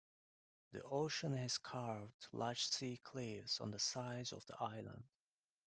The ocean has carved large sea cliffs on the sides of the island.